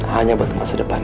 hanya buat masa depannya